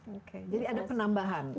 oke jadi ada penambahan